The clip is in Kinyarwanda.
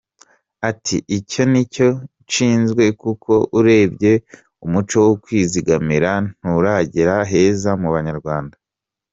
Ati “Icyo nicyo nshinzwe kuko urebye umuco wo kwizigamira nturagera heza mu Banyarwanda.